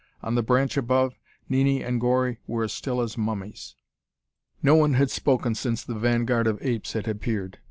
On the branch above, Nini and Gori were as still as mummies. No one had spoken since the vanguard of apes had appeared.